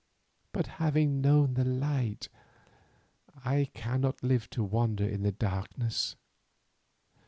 But having known the light, I cannot live to wander in the darkness.